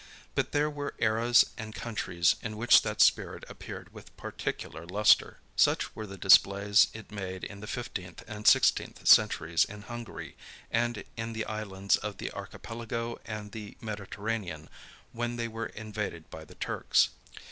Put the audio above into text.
But there were eras and countries, in which that spirit appeared with particular lustre. Such were the displays it made in the fifteenth and sixteenth centuries in Hungary, and in the Islands of the Archipelago and the Mediterranean, when they were invaded by the Turks.